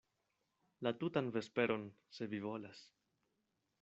La tutan vesperon, se vi volas.